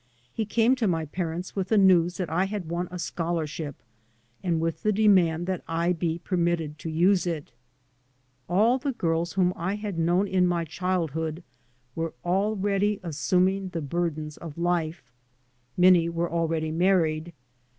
He came to my parents with the news that I had won a scholarship, and with the demand that I be permitted to use it. All the girls whom I had known in my childhood were already assuming the burdens of life; many were already married.